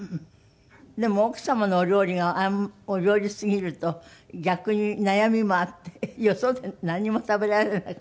でも奥様のお料理がお上手すぎると逆に悩みもあってよそで何も食べられなく。